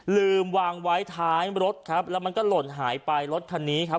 ลืมวางไว้ท้ายรถครับแล้วมันก็หล่นหายไปรถคันนี้ครับ